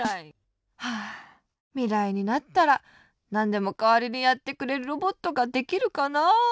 ハァみらいになったらなんでもかわりにやってくれるロボットができるかなあ。